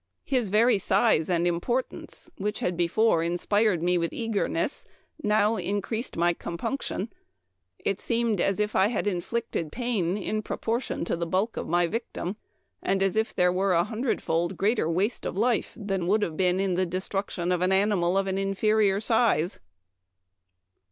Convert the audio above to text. His very size and importance, which had before inspired me with eagerness, now increased my compunction. It seemed as if I had inflicted pain in proportion to the bulk of my victim, and as if there were a hundredfold greater waste of life than would have been in the destruction of an animal of an inferior size."